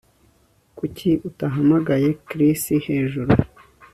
Kuki utahamagaye Chris hejuru